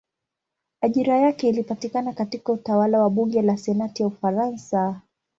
Ajira yake ilipatikana katika utawala wa bunge la senati ya Ufaransa.